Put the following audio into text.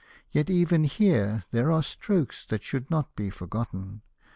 Yet even here, there are strokes that should not be forgotten.